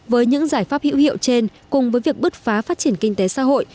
với những giải pháp hữu hiệu trên cùng với việc bứt phá phát triển kinh tế xã hội